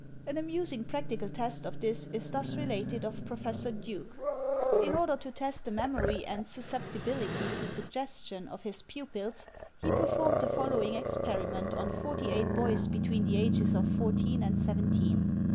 An amusing practical test of this is thus related of Profes sor Dueck. In order to test the memory and susceptibility to suggestion of his pupils he performed the following experi ment on forty eight boys between the ages of fourteen and seventeen.